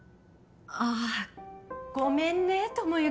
ああごめんね智之